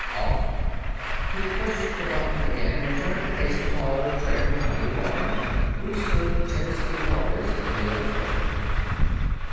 "Off!" He pushed the button again and turned to face the tall, trim honey blonde who stood tensely poised in the archway.